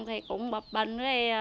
thì cũng bập bình